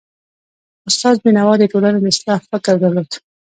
استاد بینوا د ټولني د اصلاح فکر درلود.